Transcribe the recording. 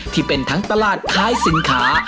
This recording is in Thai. ที่เป็นทั้งตลาดคล้ายสินค้า